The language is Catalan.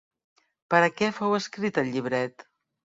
Per a què fou escrit el llibret?